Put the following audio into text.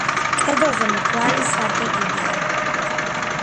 კედელზე მრგვალი სარკე კიდია.